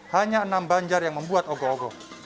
hanya enam banjar yang membuat ogoh ogoh